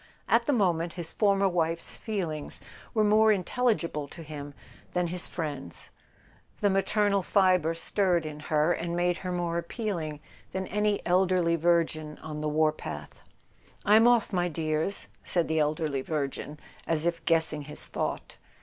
At the moment his former wife's feelings were more intelligible to him than his friend's: the maternal fibre stirred in her, and made her more appealing than any elderly virgin on the war path. "I'm off, my dears," said the elderly virgin, as if guessing his thought.